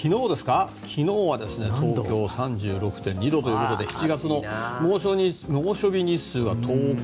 昨日は東京、３６．２度ということで７月の猛暑日日数は１０日。